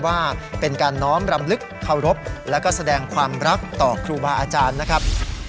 ว่าเป็นการน้อมรำลึกเคารพและก็แสดงความรักต่อครูบาอาจารย์นะครับ